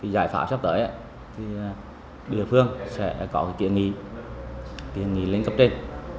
giải pháp sắp tới thì địa phương sẽ có kỷ nghị kỷ nghị lên cấp trên